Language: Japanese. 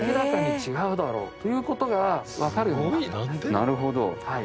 なるほど。